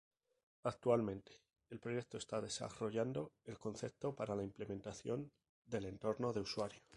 Actualmente el proyecto está desarrollando el concepto para la implementación del entorno de usuario.